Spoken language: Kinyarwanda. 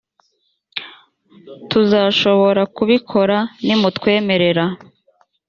tuzashobora kubikora ni mutwemerera